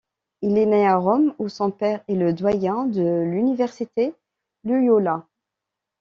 Il naît à Rome, où son père est le doyen de l'université Loyola.